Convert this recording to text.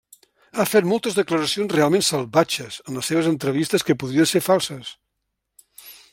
Ha fet moltes declaracions realment salvatges en les seves entrevistes que podrien ser falses.